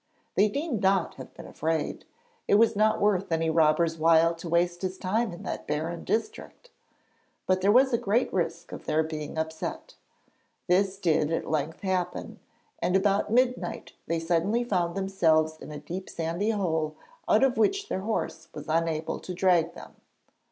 They need not have been afraid; it was not worth any robber's while to waste his time in that barren district; but there was a great risk of their being upset. This did at length happen, and about midnight they suddenly found themselves in a deep sandy hole out of which their horse was unable to drag them.